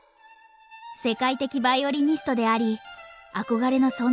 世界的ヴァイオリニストであり憧れの存在だった父親。